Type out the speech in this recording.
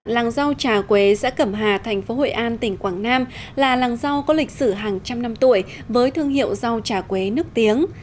làng rau trà quế giã cẩm hà thành phố hội an tỉnh quảng nam là làng rau có lịch sử hàng trăm năm tuổi với thương hiệu rau trà quế nước tiếng